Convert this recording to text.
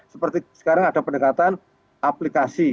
seperti sekarang ada pendekatan aplikasi